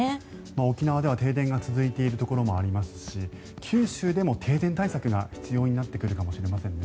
沖縄では停電が続いているところもありますし九州でも停電対策が必要になってくるかもしれませんね。